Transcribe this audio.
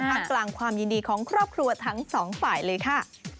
ทำกลางความยินดีของครอบครัวทั้งสองฝ่ายเลยค่ะ